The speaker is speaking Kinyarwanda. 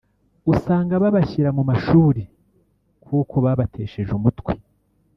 usanga babashyira mu mashuri kuko babatesheje umutwe